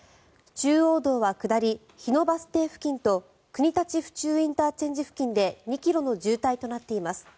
中央道は下り日野バス停付近と国立府中ＩＣ付近で２ｋｍの渋滞となっています。